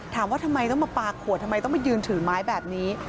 ถามว่าทำไมต้องมาปลาขวดทำไมต้องมายืนถือไม้แบบนี้